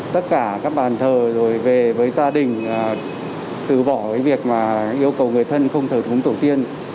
tất cả các bàn thờ rồi về với gia đình từ bỏ cái việc mà yêu cầu người thân không thờ cúng tổ tiên